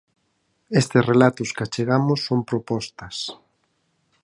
Estes relatos que achegamos son propostas.